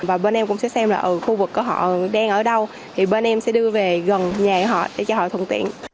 và bên em cũng sẽ xem là ở khu vực của họ đang ở đâu thì bên em sẽ đưa về gần nhà họ để cho họ thuận tiện